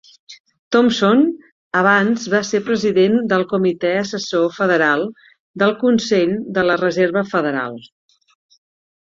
Thompson abans va ser president del Comitè Assessor Federal del Consell de la Reserva Federal.